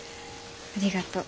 ありがとう。